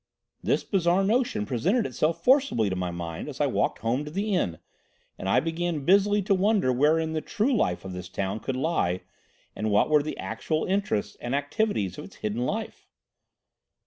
"This bizarre notion presented itself forcibly to my mind as I walked home to the inn, and I began busily to wonder wherein the true life of this town could lie and what were the actual interests and activities of its hidden life.